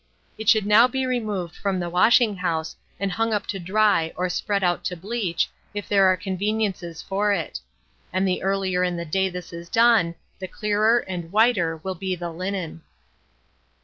It should now be removed from the washing house and hung up to dry or spread out to bleach, if there are conveniences for it; and the earlier in the day this is done, the clearer and whiter will be the linen.